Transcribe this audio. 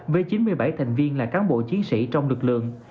với chín mươi bảy thành viên là cán bộ chiến sĩ trong lực lượng